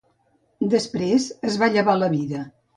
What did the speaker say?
Després es va llevar la vida.